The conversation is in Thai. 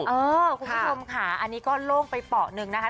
คุณผู้ชมค่ะอันนี้ก็โล่งไปเปาะหนึ่งนะคะ